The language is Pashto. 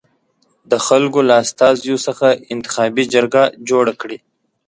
د خلکو له استازیو څخه انتخابي جرګه جوړه کړي.